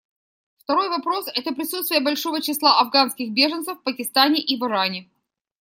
Второй вопрос — это присутствие большого числа афганских беженцев в Пакистане и в Иране.